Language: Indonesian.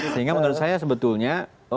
sehingga menurut saya sebetulnya